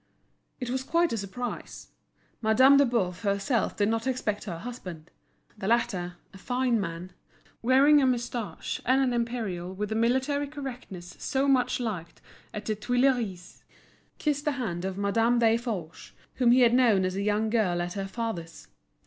It was quite a surprise. Madame de Boves herself did not expect her husband. The latter, a fine man, wearing a moustache and an imperial with the military correctness so much liked at the Tuileries, kissed the hand of Madame Desforges, whom he had known as a young girl at her father's.